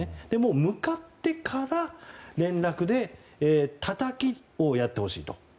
向かってから連絡でタタキをやってほしいと。